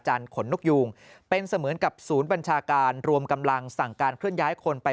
ขนนกยูงเป็นเสมือนกับศูนย์บัญชาการรวมกำลังสั่งการเคลื่อนย้ายคนไป